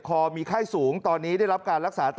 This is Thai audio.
ขอเลื่อนสิ่งที่คุณหนูรู้สึก